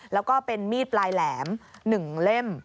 แล้วก็เป็นมีดปลายแหลม๑เล่ม